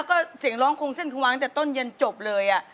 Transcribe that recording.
แล้วก็เสียงร้องโคงเส้นความอากจากต้นเย็นจบเลยอ่ะ